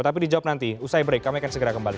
tapi dijawab nanti usai break kami akan segera kembali